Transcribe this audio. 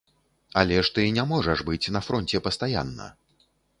Але ж ты не можаш быць на фронце пастаянна.